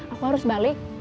aku harus balik